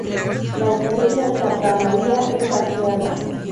La iglesia Santa María es saqueada.